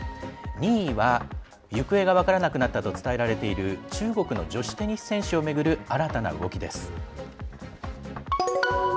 ２位は行方が分からなくなったと伝えられている中国の女子テニス選手を巡る新たな動きです。